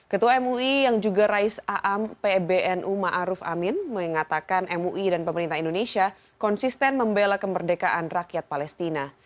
ketua mui yang juga rais aam pbnu ⁇ maruf ⁇ amin mengatakan mui dan pemerintah indonesia konsisten membela kemerdekaan rakyat palestina